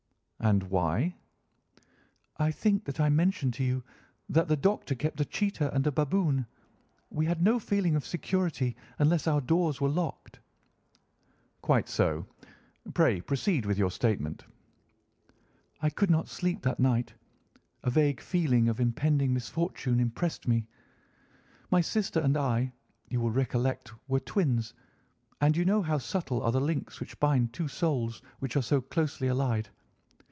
"And why?" "I think that I mentioned to you that the Doctor kept a cheetah and a baboon. We had no feeling of security unless our doors were locked." "Quite so. Pray proceed with your statement." "I could not sleep that night. A vague feeling of impending misfortune impressed me. My sister and I, you will recollect, were twins, and you know how subtle are the links which bind two souls which are so closely allied.